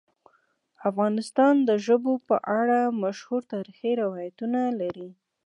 افغانستان د ژبو په اړه مشهور تاریخی روایتونه لري.